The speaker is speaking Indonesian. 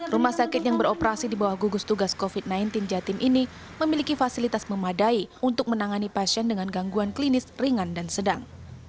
rumah sakit yang beroperasi di bawah gugus tugas covid sembilan belas jatim ini memiliki fasilitas memadai untuk menangani pasien dengan gangguan klinis ringan dan sedang